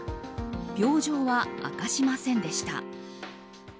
病状は明かしませんでした。